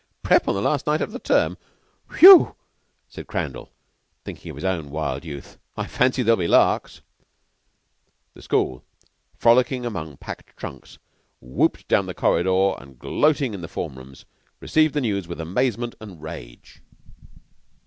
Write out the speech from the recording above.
"Prep. on the last night of the term. Whew!" said Crandall, thinking of his own wild youth. "I fancy there will be larks." The school, frolicking among packed trunks, whooping down the corridor, and "gloating" in form rooms, received the news with amazement and rage.